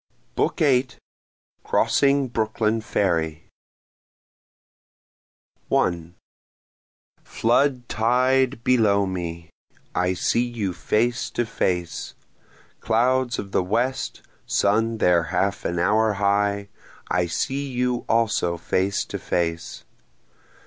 BOOK VIII Crossing Brooklyn Ferry 1 Flood tide below me! I see you face to face! Clouds of the west sun there half an hour high I see you also face to face.